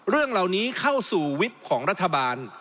เรื่องเหล่านี้เข้าสู่วิบของรัฐบาล